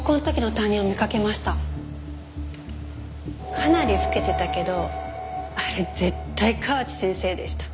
かなり老けてたけどあれ絶対河内先生でした。